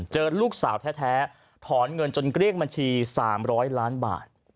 เจอลูกสาวแท้ถอนเงินจนเกลี้ยงบัญชี๓๐๐ล้านบาท